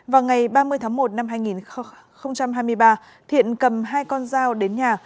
vào ngày ba mươi tháng một năm hai nghìn hai mươi ba thiện cầm hai con dao đến nhà